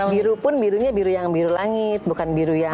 biru pun birunya biru yang biru langit bukan biru yang